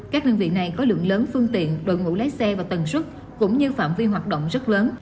các đơn vị này có lượng lớn phương tiện đội ngũ lấy xe và tầng xuất cũng như phạm vi hoạt động rất lớn